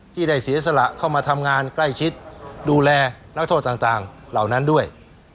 ที่ได้เสียสละเข้ามาทำงานใกล้ชิดดูแลนักโทษต่างเหล่านั้นด้วย